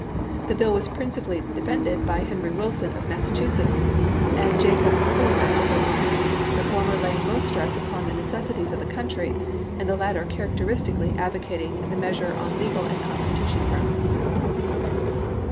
The bill was principally defended by Henry Wilson of Massachusetts and Jacob Collamer of Vermont, the former laying most stress upon the necessities of the country, and the latter characteristically advo cating the measure on legal and constitutional grounds.